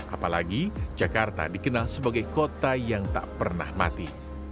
apalagi jakarta dikenal sebagai kota yang tak pernah mati